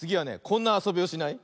こんなあそびをしない？